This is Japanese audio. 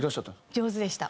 上手でした。